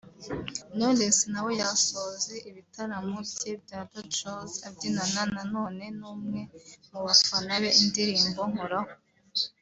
Knowless nawe yasoze ibitaramo bye bya Roadshows abyinana na none n’umwe mu bafana be indirimbo ‘Nkoraho’